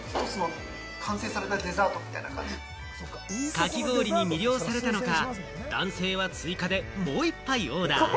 かき氷に魅了されたのか、男性は追加でもう１杯オーダー。